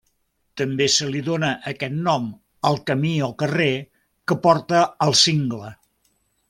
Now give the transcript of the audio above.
També se li dóna aquest nom al camí o carrer que porta al cingle.